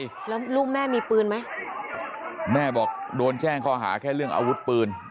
แล้วลูกแม่มีปืนไหมแม่บอกโดนแจ้งข้อหาแค่เรื่องอาวุธปืน